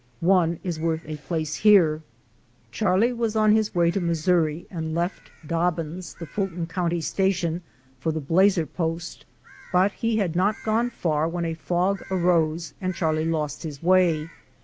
One is worth a place here. Charlie was on his way to Missouri and left Dobbins, the Fulton county station, for the Blazer post, but he had not gone far when a fog arose and Charlie lost his way.